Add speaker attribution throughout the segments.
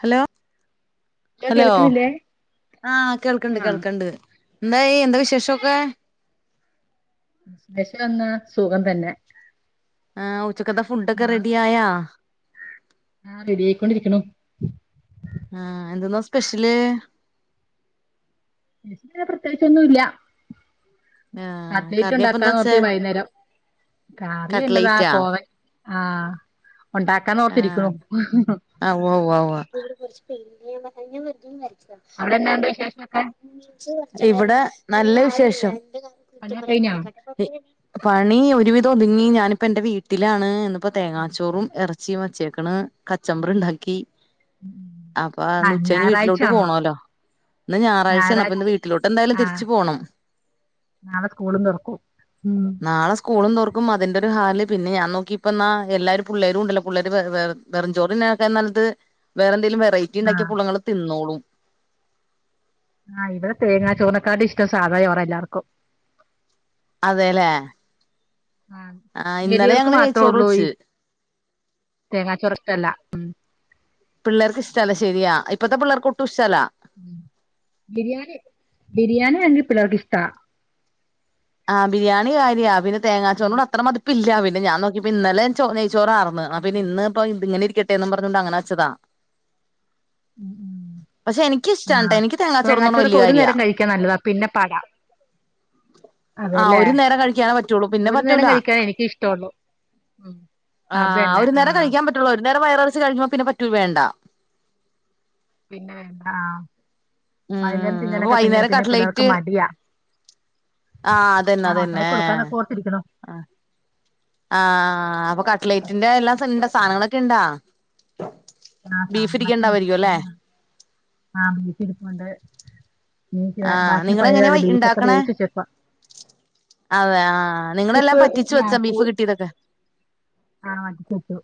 Speaker 1: Hello hello ആ കേൾക്കണ്ട്
Speaker 2: ആഹ്
Speaker 1: കേൾക്കണ്ട് ന്തായി എന്താ വിശേഷൊക്കെ
Speaker 2: വിശേഷന്നാ സുഖം തന്നെ
Speaker 1: ആ ഉച്ചക്കന്ത ഫുഡ് ഒക്കെ
Speaker 2: ആ
Speaker 1: റെഡി ആയാ
Speaker 2: ആ റെഡി ആയിക്കൊണ്ടിരിക്കണ്
Speaker 1: ആ എന്തെന്നാ സ്പെഷ്യല്
Speaker 2: സ്പെശാല് പ്രത്യേകിച്ചൊന്നും ഇല്ല
Speaker 1: ആഹ് കറിയപ്പ എന്താ വെച്ചേ
Speaker 2: കട്ലയ്റ്റുണ്ടാക്കാന്നോർത്തി വൈന്നേരം കറി എന്നതാ
Speaker 1: കട്ട്ലൈറ്റാ
Speaker 2: കോവ ആ ഉണ്ടാക്കാന്നോർത്തിരിക്ക്ണു
Speaker 1: ആഹ് ആഹ് ഉവ്വ ഉവ്വ ഉവ്വ
Speaker 2: വിശേഷൊക്കെ
Speaker 1: [unintelligible] ഇവിടെ നല്ല വിശേഷ ഷം
Speaker 2: പണിയൊക്കെ കഴിഞ്ഞോ
Speaker 1: പണി ഒരുവിധ ഒതുങ്ങി ഞാനിപ്പ എന്റെ വീട്ടിലാണ്ന്ന് ഇപ്പൊ തേങ്ങാച്ചോറും എറ ചീം വെച്ചേക്ക്ണ് കച്ചമ്പറ് ഇണ്ടാക്കി അപ്പൊ ആ ന്ന്
Speaker 2: ആഹ്
Speaker 1: ഉച്ച കഴിഞ്ഞ്
Speaker 2: ഞായറാഴ്ച
Speaker 1: വീട്ടിലോട്ട്
Speaker 2: ആണല്ലോ
Speaker 1: പോണോല്ലോ ഇന്ന് ഞായറാഴ്ചയാണ് അപ്പൊ
Speaker 2: ഞായറാഴ്ച
Speaker 1: ഇന്ന് വീട്ടിലോട്ട് എന്തായാലും തിരിച്ച്
Speaker 2: ആഹ്
Speaker 1: പോണം
Speaker 2: നാളെ സ്കൂളും തുറക്കും ഉം
Speaker 1: നാളെ സ്കൂളും തൊറ ക്ം അതിന്റെ ഒരു ഹാല് പിന്നെ ഞാൻ നോക്കിയപ്പോ ന്നാ എല്ലാരും പുള്ളേരും ഉണ്ടല്ലോ പുള്ളേര് വെ വെറുംചോറ്‌ തിന്നണനാട്ടിം നല്ലത് വേറെ എന്തേലും വെറൈറ്റി ഇണ്ടാക്കിയ
Speaker 2: ആഹ്
Speaker 1: പുള്ളങ്ങള് തിന്നോളും
Speaker 2: ആഹ് ഇവിടെ തേങ്ങാ ചോറിനെക്കാൾ ഇഷ്ടം സാധാ ചോറാ എല്ലാർക്കും
Speaker 1: അതേ ല്ലേ
Speaker 2: ആഹ് വെലിയോർക്ക് മാത്രെ
Speaker 1: നെയ്ച്ചോറ്
Speaker 2: ഉള്ളൂ ഈ
Speaker 1: വെച്ച്
Speaker 2: തേങ്ങാചോറ് ഇഷ്ടല്ല
Speaker 1: പിള്ളേർക്ക് ഇഷ്ടല്ല ശരിയാ ഇപ്പത്തെ പിള്ളേർക്ക് ഒട്ടും ഇഷ്ടല്ലാ
Speaker 2: ബിരിയാണി ബിരിയാണി ആണെങ്കിൽ പിള്ളേർക്ക് ഇഷ്ടാ
Speaker 1: ആഹ് ബിരിയാണി കാര്യവാ പി
Speaker 2: ബിരി
Speaker 1: തേങ്ങാച്ചോറിന്റെ അത്ര മതിപ്പില്ല അവ ഞാൻ നോക്കിയപ്പം ഇന്നലെ ചോറ്‌ നൈ ചോറാരുന്ന് അന്നാ
Speaker 2: ഉം
Speaker 1: പിന്നെ ഇന്ന് ഇപ്പം ഇങ്ങനെ പേന്നും [unintelligible] പറഞ്ഞോണ്ട് അങ്ങനെ വെച്ചതാ പക്ഷെ എനിക്കിഷ്ടാണ്‌ട്ടോ
Speaker 2: ആഹ
Speaker 1: എനിക്ക് തേങ്ങാച്ചോറ്ന്നറഞ്ഞ
Speaker 2: തേങ്ങാചോറൊക്കെ
Speaker 1: വല്യ
Speaker 2: ഒരു
Speaker 1: കാര്യാ
Speaker 2: നേരം കഴിക്കാൻ നല്ലതാ പിന്നെ പാടാ.
Speaker 1: ആഹ്
Speaker 2: അതെല്ലേ
Speaker 1: ഒരു നേരം കഴിക്കാനേ പറ്റുള്ളൂ പിന്നെ
Speaker 2: ഒരു നേരം
Speaker 1: പറ്റൂല
Speaker 2: കഴിക്കാനേ എനിക്ക് ഇഷ്ടമുള്ളൂ ഉം
Speaker 1: ആ
Speaker 2: അതന്നെ
Speaker 1: ഒരു നേരം
Speaker 2: ആഹ്
Speaker 1: കഴിക്കാൻ പറ്റുള്ളൂ വേറെ വയറു നിറച്ചു കഴിഞ്ഞുവാ പിന്നെ പറ്റൂ വേണ്ട
Speaker 2: പിന്നെ എന്താ വൈകുന്നേരം
Speaker 1: ഉം അപ്പൊ
Speaker 2: തിന്നാനൊക്കെ പിന്നെ
Speaker 1: വൈകുന്നേരം
Speaker 2: പിന്നെ പിള്ളേർക്ക്
Speaker 1: കട്ട്ലേറ്റ്
Speaker 2: മടിയാ
Speaker 1: ആഹ് അതന്നെ
Speaker 2: ആ ഉണ്ടാക്കി
Speaker 1: അതന്നെ
Speaker 2: കൊടുക്കാന്നൊക്കെ ഓർത്തിരിക്കണു
Speaker 1: ആഹ് അപ്പൊ കട്ലേറ്റിന്റെ എല്ലാം സാധനങ്ങളൊക്കെ ഇണ്ടാ
Speaker 2: ആഹ്
Speaker 1: ബീഫ്
Speaker 2: സാധനങ്ങളൊക്കെ ഇണ്ട്
Speaker 1: ഇരിക്കണ്ടാവായിരിക്കും അല്ലെ
Speaker 2: ആ ആഹ് ബീഫ് ഇരിപ്പുണ്ട്
Speaker 1: ആഹ്
Speaker 2: ബാക്കിന്
Speaker 1: നിങ്ങളെങ്ങനെയാ
Speaker 2: പണിയെല്ലാം
Speaker 1: വൈ
Speaker 2: ബീഫ് ഒക്കെ
Speaker 1: ഇണ്ടാക്കണേ
Speaker 2: വേവിച്ച് വെച്ചേക്കുവാ
Speaker 1: അതെ ആഹ് നിങ്ങളെല്ലാം
Speaker 2: ഇപ്പം ആ
Speaker 1: പറ്റിച്ചു വെച്ചാ ബീഫ്
Speaker 2: [unintelligible]
Speaker 1: കിട്ടിയതൊക്കെ
Speaker 2: ആ വേവിച്ചു വെച്ചു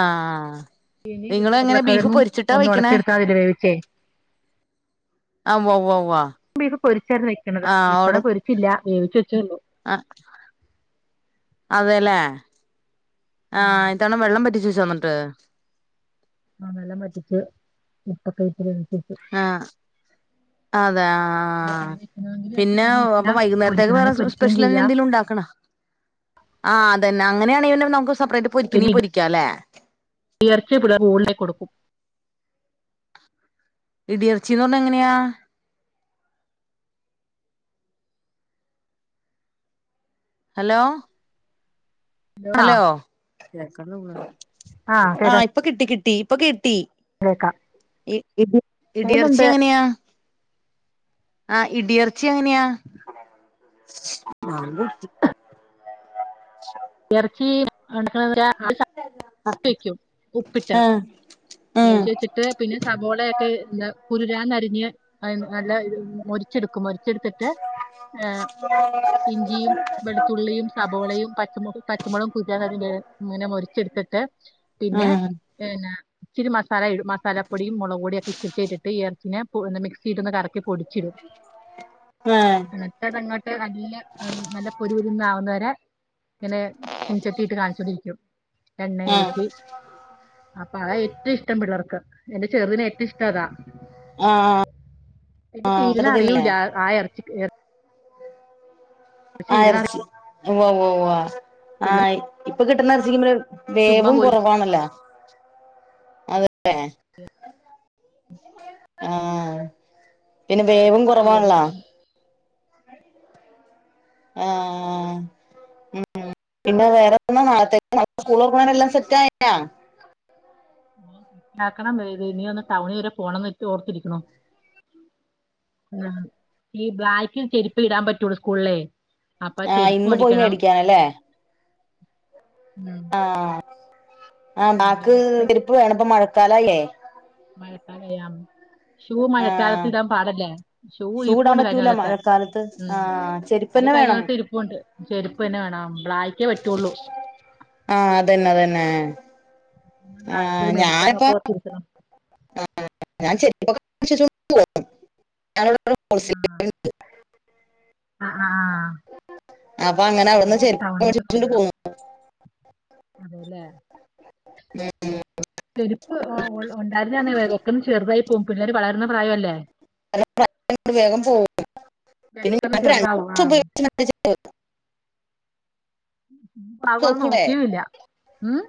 Speaker 1: ആ [unintelligible]
Speaker 2: ഇനിയും [unintelligible] ഉരുളക്കിഴങ്ങും ഒന്നു
Speaker 1: വെക്കണേ
Speaker 2: ഉടച്ചെടുത്താ വേവിച്ചേ
Speaker 1: ആഹ് ഉവ്വ ഉവ്വ ഉവ്വ
Speaker 2: ബീഫ് പൊരിച്ചായിരുന്നു വെയ്ക്കണത്
Speaker 1: ആഹ്
Speaker 2: ഇത്തവണ
Speaker 1: അവിടെ
Speaker 2: പൊരിച്ചില്ല വേവിച്ച് വെച്ചേ ഉള്ളൂ
Speaker 1: ആഹ് അതെല്ലേ
Speaker 2: ഉം
Speaker 1: ആഹ് ഇത്തവണ വെള്ളം പറ്റിച്ച് വെ [unintelligible] ന്നട്ട്
Speaker 2: ആന്നെല്ലാം പറ്റിച്ച് ഇപ്പൊക്കെ [unintelligible]
Speaker 1: ആഹ് അതെ ആഹ്‌ ആഹ്‌
Speaker 2: കറി വെക്കണമെങ്കിൽ എടുത്ത്
Speaker 1: പിന്നെ
Speaker 2: കറി
Speaker 1: അപ്പൊ
Speaker 2: വെക്കാം
Speaker 1: വൈകുന്നേരത്തേക്ക് വേറെ
Speaker 2: പൊരിക്കണമെങ്കിൽ പൊരിക്കുകയും
Speaker 1: സ്പെഷ്യല് അങ്ങനെ
Speaker 2: ചെയ്യാം
Speaker 1: എന്തേലു ഉണ്ടാക്കണോ ആഹ് അതന്നെ അങ്ങനെയാണെങ്കി പിന്നെ നമുക്ക് സെപ്പറേറ്റ് പൊരിക്കുന്നേ പൊരിക്കാം അല്ലേ
Speaker 2: ഉയർച്ച പിട മോൾടെ കൊടുക്കും
Speaker 1: ഇടിയിറച്ചീന്ന് പറഞ്ഞാ എങ്ങനെയാ ഹലോ
Speaker 2: ആ
Speaker 1: ഹലോ കേക്കാതെ പോവാ
Speaker 2: ആ
Speaker 1: ആഹ്
Speaker 2: കേക്കാം
Speaker 1: ഇപ്പൊ കിട്ടി കിട്ടി ടീ പകി ട്ടി. ഇ ഇ ഇടിയർച്ചി
Speaker 2: കേൾക്കുന്നുണ്ട്
Speaker 1: എങ്ങെന്യാ ആഹ്. ഇടിയറ്ച്ചി എങ്ങനെയാ ബാങ്ക് കൊട്ത്ത് [unintelligible]
Speaker 2: എറച്ചീ [unintelligible] [unintelligible] ട്ട് വെക്കും ഉപ്പിട്ട്.
Speaker 1: ആഹ് ആഹ്
Speaker 2: ഏസ്യച്ചിട്ട് പിന്നെ സബോളയൊക്കെ ഇന്ന് കുരുരാ ന്നരി- നിയ നല്ല മൊരിച്ചെടുക്കും മൊന് മൊരിച്ചെട്ത്തിട്ട് ഇഞ്ചിയും വെളുത്തുള്ളിയും സബോളയും പ പച്ചമൊളകും [unintelligible] ബ ങ്ങനെ മൊര്ച്ചെ എടുത് ട്ട് പിന്നെ
Speaker 1: ആഹ്
Speaker 2: എന്നാ ഇച്ചിരി മസാല ഇടുംമസാല പൊടിയും മൊളക് പൊടിയൊക്കെ ഇച്ചിരിച്ചെ ഇട്ടിട്ട് ഈ എർച്ചിനെ പു മിക്സീട്ടൊന്ന് കറക്കിപൊടിച്ചിടു
Speaker 1: ആഹ് ആഹ്
Speaker 2: എന്നിട്ട്തങ്ങോട്ട് നല്ല നല്ല പൊരു പൊരുന്നാകുന്നവരെ ങ്ങനെ ചീൻ ചട്ടീട്ട് കാൺച്ചോണ്ടിരിക്കും
Speaker 1: ആഹ്
Speaker 2: എണ്ണയൂറ്റി അപ്പ അതാ ഏറ്റവും ഇഷ്ടം പിള്ളേർക്ക്. എന്റെ ചെർതിന് ഏറ്റവും ഇഷ്ട്ട അതാ
Speaker 1: ആഹ്
Speaker 2: എന്റെ
Speaker 1: ആഹ്
Speaker 2: തീര്ണ
Speaker 1: അത് തിന്നില്ലേ
Speaker 2: അറിയൂല്ല ആ എർച്ചി എർ
Speaker 1: ആ
Speaker 2: തീരണ അറിയ
Speaker 1: എർച്ചി ഉവ്വ് വ്വ് വ്വ്
Speaker 2: പിള്ളേര്
Speaker 1: ആയി ഇപ്പ കിട്ട്ണ എർച്ചിക്ക് [unintelligible]
Speaker 2: ചുമ്മാ
Speaker 1: വേവും
Speaker 2: കോരി
Speaker 1: കുറവാണല്ലാ അതെല്ലെ ആഹ് പിന്നെ വേവും
Speaker 2: പെട്ടെന്ന് വേവും
Speaker 1: കുറവാണല്ലാ ആ ഹ് ഉം. പിന്നെ വേറെന്താ നാളത്തേക്ക്. നാളെ സ്കൂളൊർക്ക്ണെയ്ന് എല്ലാം സെറ്റ് ആയാ
Speaker 2: ണ്ടാക്കണം. [unintelligible] ഇനി ഒന്ന് ടൗണ് വരെ പോണംന്നൊക്കെ ഓർത്തിരിക്ണൂ. ഈ ബ്ലാക് ചെരുപ്പെഇടാപറ്റൊള്ളൂ സ്കൂൾളേയ്
Speaker 1: ആഹ് ഇന്ന് പോയി മേടിക്കാനല്ലേ
Speaker 2: ഉം
Speaker 1: ആ ഹ് ആ. ബാക്ക് ചെര്പ്പ് വേണം. പ്പ മഴക്കാലയീലെ
Speaker 2: മഴക്കാലയാം ഷൂ
Speaker 1: ആഹ്
Speaker 2: മഴക്കാലത്ത് ഇടാൻ പാടല്ലേ ഷൂ
Speaker 1: ഇടാൻ
Speaker 2: ഇരിപ്പുണ്ട്
Speaker 1: പറ്റൂല
Speaker 2: കഴിഞ്ഞകൊല്ലത്തെ
Speaker 1: മഴക്കാലത്ത് ആഹ് ചെരുപ്പന്നെ വേണം
Speaker 2: ചെരുപ്പ് തന്നെ വേണം ബ്ലാക്കേ പറ്റുള്ളൂ
Speaker 1: ആഹ് അതുതന്നേ
Speaker 2: [unintelligible] മേടിക്ക [unintelligible]
Speaker 1: ചെര്പ്പൊക്കെ [inaudible]
Speaker 2: ആഹ്
Speaker 1: [unintelligible]
Speaker 2: ആഹ് ആഹ്
Speaker 1: അപ്പൊ അങ്ങനെ അവിടുന്ന് ചെരുപ് മേടിച്ചട്ട് പോകും
Speaker 2: അതെ ലെ ചെരുപ്പ് ഉണ്ടായിരുന്നത് ചെറുതായി പു പുള്ളേര് വളർ പെട്ടെന്ന് ചെറുതാവും ആഹ്
Speaker 1: [inaudible] ചെരുപ്പ്
Speaker 2: [unintelligible]
Speaker 1: നോക്കൂടെ
Speaker 2: നോക്കിയുവില്ല- ഉം -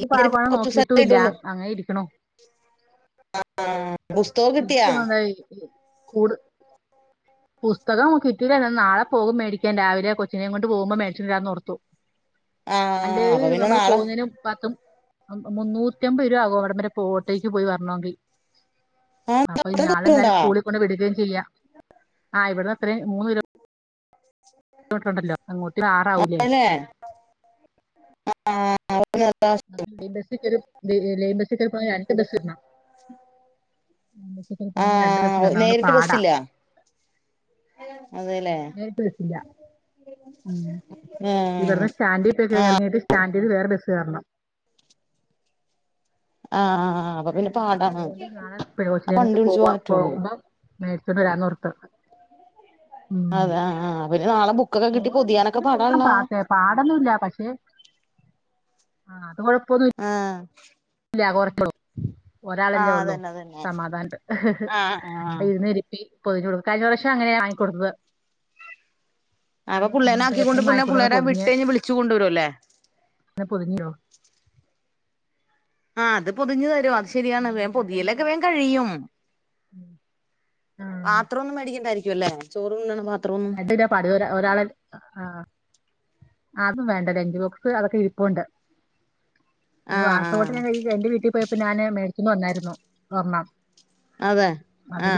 Speaker 2: ട്ട്
Speaker 1: ഈ
Speaker 2: പാകം
Speaker 1: ചെരുപ്പ് കുറച്ച്
Speaker 2: ആണോനുനോക്കിട്ട്
Speaker 1: ദിവസമല്ലേ
Speaker 2: ല്ലാ അങ്ങനെയിരിക്ക്ണു-
Speaker 1: ആഹ് ആഹ് - പുസ്തകം കിട്ടിയാ -
Speaker 2: സ്കൂളിൽപുസ്തകം കിട്ടിയില്ല നാളെപോകുംമേടിക്കാൻ രാവിലെ കൊച്ചനെയുംകൊണ്ട് പോകുമ്പം മേടിച്ചോണ്ട് വരാന്ന് ഓർത്തു-
Speaker 1: ആ
Speaker 2: അത്
Speaker 1: അപ്പൊ പിന്നെ
Speaker 2: നമ്മള്
Speaker 1: നാളെ
Speaker 2: പോന്നേനു മുമ്പാക്കം- മുന്നൂറ്റൻപത് രൂപയാകും അവിടവരെ ഓട്ടോയിക്ക് പോയിവരണോങ്കി-
Speaker 1: ആ
Speaker 2: അപ്പൊ
Speaker 1: അത്രയും
Speaker 2: നാളെ
Speaker 1: ദൂരം ഉണ്ടാ
Speaker 2: എന്തായാലും സ്കൂളിൽ കൊണ്ട്പോയി വിടുകയും ചെയ്യാം ആ ഇവിടെ - ഇത്രയും മൂന്ന് കിലോ മീറ്റർ ഉണ്ടല്ലോ അങ്ങോട്ട് ആറാവൂല്ലേ?
Speaker 1: അല്ലേ പിന്നെ അതാ,
Speaker 2: ലൈൻ ബസ്സിൽ കയറി ലൈൻ കേറി പോയാൽ രണ്ട് ബസ്സ് കേറണം ലൈൻ ബസ്സിൽ
Speaker 1: ആ
Speaker 2: പോകണേൽ രണ്ടു ബസ്സുകേറണം അതുകൊണ്ട്
Speaker 1: നേരിട്ട്
Speaker 2: പാടാ-
Speaker 1: ബസ്സില്ല [unintelligible]
Speaker 2: നേരിട്ട് ബസ് ഇല്ല. ഉം.
Speaker 1: ആ
Speaker 2: ഇവിടന്ന് സ്റ്റാൻഡിൽ പോയി ഇറങ്ങീട്ട് സ്റ്റാ വേറെ ബസ് കേറണം
Speaker 1: ആഹ് ആഹ് അപ്പൊ പിന്നെ പാടാണ്
Speaker 2: നാളെ
Speaker 1: വണ്ടി വിളിച് പോകാൻ പറ്റുള്ളൂ
Speaker 2: നേരത്തേ വരാന്ന് പറഞ്ഞിട്ട് ഉം
Speaker 1: അതെ ആ ആ, പിന്നെ നാളെ ബുക്കൊക്കെ കിട്ടി
Speaker 2: ബസിൽ
Speaker 1: പൊതിയാനൊക്കെ
Speaker 2: പോകാൻ
Speaker 1: പാടാണല്ലോ
Speaker 2: പാടൊന്നുമില്ല പക്ഷേ ആഹ് അത് കുഴപ്പമൊന്നുമില്ല
Speaker 1: ആഹ്
Speaker 2: [inaudible]
Speaker 1: ആ
Speaker 2: ഒരാളല്ലേ ഉള്ളു
Speaker 1: അതന്നെ അതന്നെ
Speaker 2: സമാധാനണ്ട്
Speaker 1: ആ ആ
Speaker 2: ഇരുന്നരിപ്പിൽ പൊതിഞ്‌ കഴഞ്ഞ വർഷം അങ്ങനെയ [inaudible]
Speaker 1: അ പിള്ളേനെ ആക്കിക്കൊണ്ട് പിന്നെ പിള്ളേരെ വിട്ട്
Speaker 2: പൊതിഞ്ഞ്
Speaker 1: കഴിഞ്ഞ് വിളിച്ചു കൊണ്ടു വരുല്ലേ
Speaker 2: പൊതിഞ്ഞിടോ
Speaker 1: ആഹ് അത് പൊതിഞ്ഞു തരുവാ ശരിയാണ് വേം
Speaker 2: വേറെന്നാ
Speaker 1: പൊതിയലൊക്കെ വേം കഴിയും
Speaker 2: ആ
Speaker 1: പാത്രൊന്നും കഴുക്കിണ്ടായി ക്കുയല്ലെ ചോറുണ്ണണം പാ
Speaker 2: രണ്ടിലോ പടുവല ഒരാളെ ആ അതും വേണ്ട ലെൻജ്ബോക്സ് അതൊക്കെ ഇരിപ്പൊണ്ട് പിന്നെ
Speaker 1: ആഹ് ആഹ്
Speaker 2: വാട്ടർബോട്ടില് ഞാന് കഴുക്കികാ എന്റെ വീട്ടി പോയപ്പോ ഞാന് മേ ക്കും വന്നായിരുന്നു ഒറ്ണ്ണം
Speaker 1: അതെ ആ ആ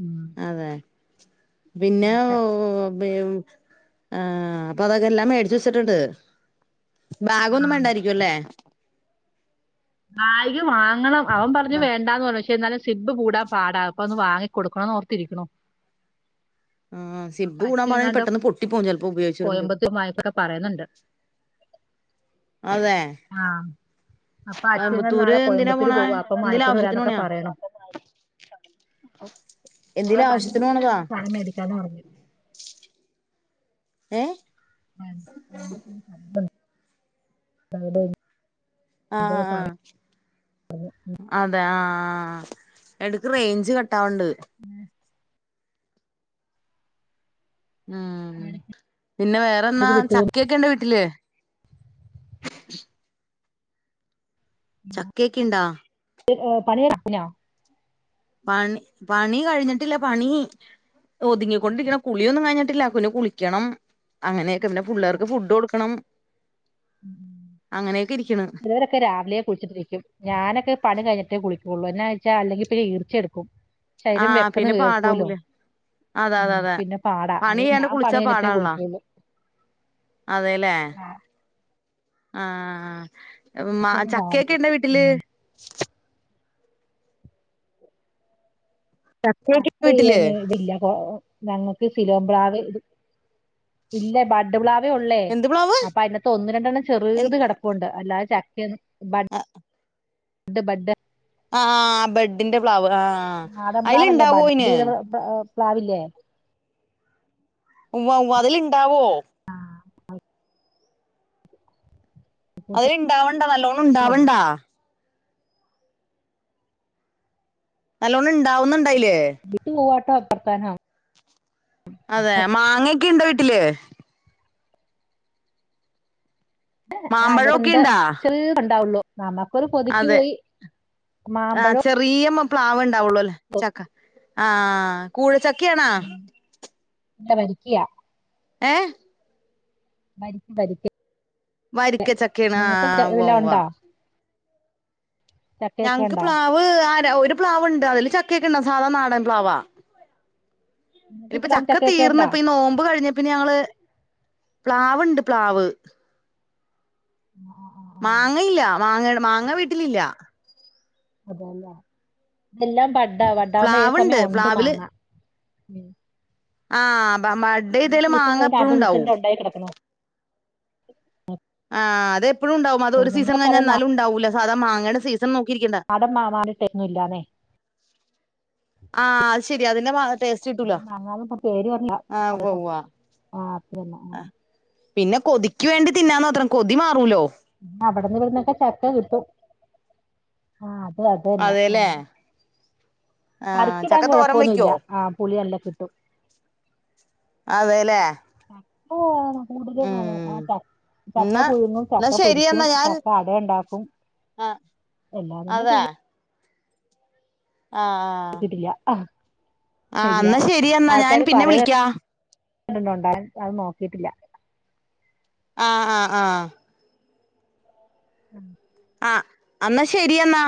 Speaker 2: ഉം
Speaker 1: അതെ പിന്നെ
Speaker 2: ഇതൊക്കെ
Speaker 1: ഓ ഓ ബി ആഹ് അപ്പൊ അതൊക്കെല്ലാം മേടിച്ച് വെച്ചിട്ടുണ്ട്
Speaker 2: ആ
Speaker 1: ബാഗൊന്നും വേണ്ടായിരിക്കുവല്ലേ
Speaker 2: കായ് വാങ്ങണം ആ അവൻ പറഞ്ഞു
Speaker 1: ബാ
Speaker 2: വേണ്ടാന്നു പ്രശ് [unintelligible] എന്നാലും സിബ് കൂടാ പാടാ അപ്പൊന്ന് വാങ്ങി കൊടുക്കണോ ഓർത്തിരിക്ക്ണു
Speaker 1: ആ സിബ് കൂടാൻ പാടാണെ പെട്ടെന്ന് പൊട്ടി പോവും ചെല്പ്പോ ഉപയോഗിച്ചെരാമതിയാവും
Speaker 2: കോയമ്പത്തൂർ മായക്കൊക്കെ പറയുന്നുണ്ട്
Speaker 1: അതെ
Speaker 2: അച്ചങ്ങള്
Speaker 1: കോയമ്പത്തൂര്
Speaker 2: നാളെ
Speaker 1: എന്തിനാ
Speaker 2: കോയമ്പത്തൂര്
Speaker 1: പോണേ
Speaker 2: പോവാ അപ്പൊ
Speaker 1: എന്തേലും
Speaker 2: വാങ്ങിക്കൊണ്ട്
Speaker 1: ആവശ്യത്തിന്
Speaker 2: വരാന്നൊക്കെ
Speaker 1: പോണയാ
Speaker 2: പറയണു അപ്പം ഓലെ
Speaker 1: എന്തേലും ആവശ്യത്തിന്
Speaker 2: വണ്ടിടെ
Speaker 1: പോണതാ
Speaker 2: ന്തോ സാനം മേടിക്കാന്ന് പറഞ്ഞു
Speaker 1: ഏഹ്‌ [unintelligible]
Speaker 2: അവിടേം
Speaker 1: ആഹ് ആഹ അതെ ആഹ ആ എടക്ക് റേഞ്ച് ക ഇത്താ ഒണ്ട് [unintelligible] ഉം പിന്നെ വേറെന്താ
Speaker 2: ഇടയ്ക്ക് വിട്ടുപോകും
Speaker 1: ചക്കയൊക്കെണ്ടോ വീട്ടില് ചക്കെക്കിണ്ടോ
Speaker 2: [unintelligible] പണികയിഞ്ഞോ
Speaker 1: പണി പണി കഴിഞ്ഞിട്ടില്ല പണി ഒതുങ്ങിക്കൊണ്ടിരിക്ണ് കുളിയൊന്നും കഴിഞ്ഞിട്ടില്ല കുനു കുളിക്കണം അങ്ങനെ പിന്നെ പുള്ളേർക്ക് ഫുഡ് കൊട്ക്കണം
Speaker 2: ഉം
Speaker 1: ഇരിക്ക്ണ്
Speaker 2: ഇവരൊക്കെ രാവിലെയെ കുളിച്ചിട്ടിരിക്കും ഞാനൊക്കെ പണി കഴിഞ്ഞിട്ട് കുളി പുള്ളേരെണയ്ച്ച അല്ലെങ്കിൽ പിന്നെ ഈർച്ചെടുക്കും ശരീരം
Speaker 1: ആഹ്
Speaker 2: വെക്കുന്ന
Speaker 1: പിന്നെ
Speaker 2: വീർക്കുമല്ലോ
Speaker 1: പാടാവൂല അത അതെ
Speaker 2: ഉം,
Speaker 1: അതെ
Speaker 2: പിന്നെ പാടാ
Speaker 1: പണി
Speaker 2: അത്
Speaker 1: ചെയ്യാണ്ട്
Speaker 2: ഞാൻ പണി
Speaker 1: കുളിച്ചാ
Speaker 2: കഴിഞ്ഞിട്ടേ
Speaker 1: പാടാണല്ലോ
Speaker 2: കുളിക്കുള്ളൂ
Speaker 1: അതെല്ലേ ആഹ് ആ മാ
Speaker 2: രാവിലെ
Speaker 1: ചക്കയൊക്കെ ഇണ്ട വീട്ടില്
Speaker 2: ചക്ക
Speaker 1: ചക്കയൊക്കെ വീട്ടില്
Speaker 2: [unintelligible] ഞങ്ങക്ക് ശിലോംപ്ലാവ് ഇ ഇല്ല ബഡ് പ്ലാവ് [unintelligible] ഒള്ളെ
Speaker 1: എന്ത് പ്ലാവ്
Speaker 2: അപ്പൊ അതിനകത്ത് ഒന്ന്‌ രണ്ടെണ്ണം
Speaker 1: എൻ
Speaker 2: ചെറുത് കിടപ്പുണ്ട് അല്ലാതെ ചക്ക് എൻ ബഡ് ഡ ബഡ്
Speaker 1: ആ ആ ബെഡിന്റെ പ്ലാവ്
Speaker 2: നാടം പ്ലാവല്ല
Speaker 1: അയില്ണ്ടാവോ അയിന്
Speaker 2: ബഡീത പ്ലാ പ്ലാവില്ലേ
Speaker 1: ഉവ്വ ഉവ്വ് അതില്ണ്ടാവോ
Speaker 2: ആഹ്
Speaker 1: അതില് ഇണ്ടാവണ്ട നല്ലോണം ഇണ്ടാവണ്ടാ നല്ലോണ ണ്ട് ഉണ്ടാവുന്നുണ്ടയ്ല്
Speaker 2: പ്പത്താന
Speaker 1: അതെ മാങ്ങൊക്കെ ഇ ഇല്ലേ
Speaker 2: ആ
Speaker 1: മാമ്പഴൊക്കെ
Speaker 2: ണ്ട്
Speaker 1: ഇണ്ടാ
Speaker 2: ചെറ്ത് ഇണ്ടാവുള്ളൂ നമ്മക്കൊരു കൊതിക്ക്
Speaker 1: അതെ
Speaker 2: പോയി.. മാമ്പഴോ
Speaker 1: പ്ലാവൺ ഉണ്ടാവള്ളൂ അല്ലേ ചക്ക ആഹ് കൂഴ ചക്കയാണോ
Speaker 2: അല്ല വരിക്കയാ
Speaker 1: ഏ
Speaker 2: വരിക്ക വരിക്ക
Speaker 1: വരിക്ക ചക്കേണ്
Speaker 2: നിങ്ങൾക്ക്
Speaker 1: ആഹ്
Speaker 2: ച-
Speaker 1: ഉവ്വ
Speaker 2: ഇതെല്ലാം
Speaker 1: ഉവ്വ്
Speaker 2: ഉണ്ടോ ചക്കയൊക്കെ
Speaker 1: ഞങ്ങക്ക്
Speaker 2: ഉണ്ടോ
Speaker 1: പ്ലാവ് ആ ഒരു പ്ലാവ്ണ്ട് അതില് ചക്കയൊക്കെണ്ടാ സാധാണ നാടൻ പ്ലവാ
Speaker 2: നിങ്ങൾക്ക്
Speaker 1: ഇനിയിപ്പ
Speaker 2: പ്ലാൻ
Speaker 1: ചക്ക
Speaker 2: ചക്കയൊക്കെ ഉണ്ടോ
Speaker 1: തീർന്നപ്പൊ ഈ നോമ്പ് കഴിഞ്ഞ പിന്നെ ഞങ്ങള് പ്ലാവുണ്ട് പ്ലാവ്
Speaker 2: ആ ആ, ആ.
Speaker 1: മാങ്ങയില്ല മാങ്ങ മാങ്ങ വീട്ടിലില്ല
Speaker 2: അതല്ലേ ഇതെല്ലാം വട്ട വട്ടാവുമ്പോ
Speaker 1: പ്ലാവുണ്ട്
Speaker 2: സമയം
Speaker 1: പ്ലാവില്
Speaker 2: ഒണ്ടമാങ്ങ
Speaker 1: ആഹ് മഡ ഇതേലും മാങ്ങപ്പഴും ഉണ്ടാവും
Speaker 2: ആ
Speaker 1: ആഹ അതെ എപ്പോും ഉണ്ടും അത് സീസൺ കഴിൽാലും ഉണ്ടാവൂില്ല സാ മാാങ്ങണ
Speaker 2: ആടം മാ മാടിട്ടന്നുല്ലാന്നേ
Speaker 1: ആഹ അത് ശെരി അതിന്റെസ്
Speaker 2: ഞങ്ങന്നും ഇ പേര് പറില്ല
Speaker 1: ഉവ്വ ഉവ്വ
Speaker 2: ആഹ അത്തന്നെ ആ
Speaker 1: പിന്നെ കൊതിക്കക്ക് വേണ്ടി തിന്നാന്ന് അത്രം കൊതി മാറുമലോ
Speaker 2: അവിടന്ന് ഇവിടന്നൊക്കെ ചക്ക കിട്ടും ആ അ അത് തന്നെ
Speaker 1: അതെല്ലേ
Speaker 2: ആഹ
Speaker 1: ആഹ്
Speaker 2: പറക്കിടാൻ
Speaker 1: ചക്ക തോരൻ
Speaker 2: കുഴപ്പൊന്നുംല്ല
Speaker 1: വെക്കോ
Speaker 2: ആഹ പുളി നല്ല കിട്ടും
Speaker 1: ആതെലെ
Speaker 2: ഓ കൂടുത വ ആ ച ചക്ക
Speaker 1: എന്നാ
Speaker 2: പുഴുങ്ങും
Speaker 1: എന്നാ
Speaker 2: ചക്ക
Speaker 1: ശരി
Speaker 2: പൊരിക്കും
Speaker 1: എന്നാ ഞാൻ
Speaker 2: ചക്ക അട ഉണ്ടാക്കും
Speaker 1: ആഹ്
Speaker 2: എല്ലാരും തന്നെ
Speaker 1: അതെ
Speaker 2: ചെയ്യും നക്കിട്ടില്ല ആഹ
Speaker 1: ആ എന്നാ ശെരിയ എന്നാ ഞാൻ പിന്നെ വിളിക്കാ
Speaker 2: ണ്ണ്ടുണ്ടായൻ അത് നോക്കിയിട്ടില്ല
Speaker 1: ആഹ ആഹ് ആഹ ആഹ എന്നാ ശരിയെന്നാ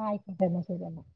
Speaker 2: ആഹ് ആയിക്കോട്ട തന്നെ ശരി എന്നന്നെ